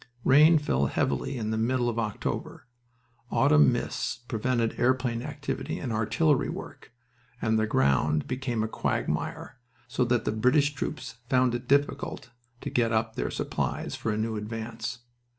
Rain fell heavily in the middle of October, autumn mists prevented airplane activity and artillery work, and the ground became a quagmire, so that the British troops found it difficult to get up their supplies for a new advance.